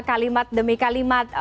kalimat demi kalimat